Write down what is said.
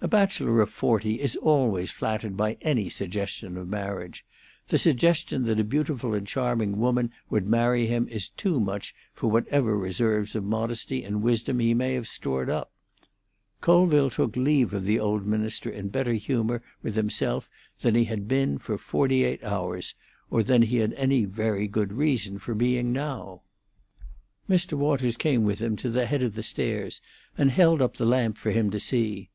A bachelor of forty is always flattered by any suggestion of marriage; the suggestion that a beautiful and charming woman would marry him is too much for whatever reserves of modesty and wisdom he may have stored up Colville took leave of the old minister in better humour with himself than he had been for forty eight hours, or than he had any very good reason for being now. Mr. Waters came with him to the head of the stairs and held up the lamp for him to see.